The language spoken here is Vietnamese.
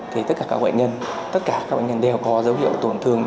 thì tất cả các bệnh nhân đều có dấu hiệu tổn thương